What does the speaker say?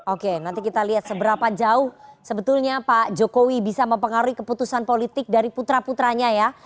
oke nanti kita lihat seberapa jauh sebetulnya pak jokowi bisa mempengaruhi keputusan politik dari putra putranya ya